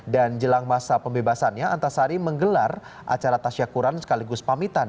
dan jelang masa pembebasannya antasari menggelar acara tasya kuran sekaligus pamitan